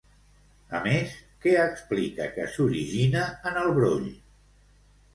A més, què explica que s'origina en el broll?